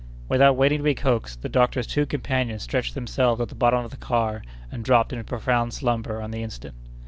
Without waiting to be coaxed, the doctor's two companions stretched themselves at the bottom of the car and dropped into profound slumber on the instant.